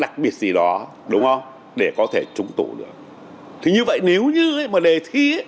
thì như vậy nếu như mà đề thi